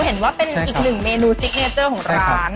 เห็นว่าเป็นอีกหนึ่งเมนูซิกเนเจอร์ของร้าน